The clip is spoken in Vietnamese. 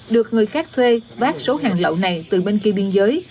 được người khác thuê vát số hàng lậu này từ bên kia biên giới